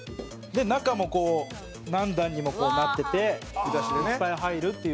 中も何段にもなってていっぱい入るっていう。